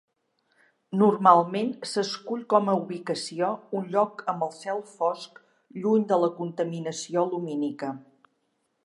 Normalment s'escull com a ubicació un lloc amb cel fosc lluny de la contaminació lumínica.